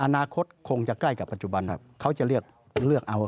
อนาคตคงจะใกล้กับปัจจุบันครับเขาจะเลือกเลือกเอา